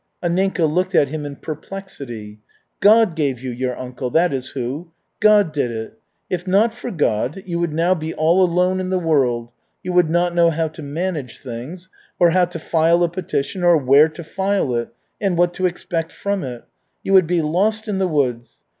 Anninka looked at him in perplexity. "God gave you your uncle, that is who. God did it. If not for God, you would now be all alone in the world, you would not know how to manage things, or how to file a petition or where to file it, and what to expect from it. You would be lost in the woods.